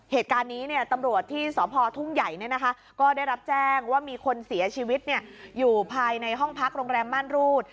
เหตุการณ์นี้ตำรวจที่สพทุ่งใหญ่ก็ได้รับแจ้งว่ามีคนเสียชีวิตอยู่ภายในห้องพักโรงแรมม่านรูด